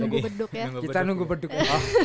kita nunggu beduk ya